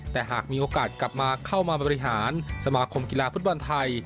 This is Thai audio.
แต่หากมีโอกาสกลับมาเข้ามาบริหารสมาคมกีฬาฟุตบอลไทย